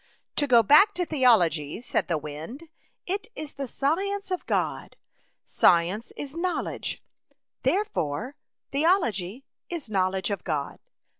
'' To go back to theology,'* said the wind. " It is the science of God. Science is knowledge, therefore the ology is knowledge of God.